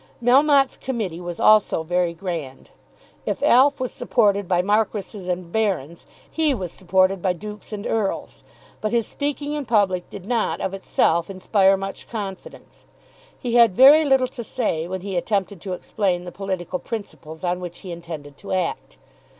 Melmotte's committee was also very grand. If Alf was supported by Marquises and Barons, he was supported by Dukes and Earls. But his speaking in public did not of itself inspire much confidence. He had very little to say when he attempted to explain the political principles on which he intended to act.